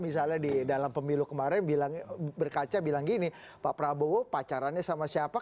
misalnya di dalam pemilu kemarin bilang berkaca bilang gini pak prabowo pacarannya sama siapa